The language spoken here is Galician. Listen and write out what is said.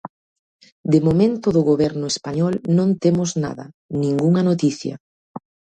De momento do Goberno español non temos nada, ningunha noticia.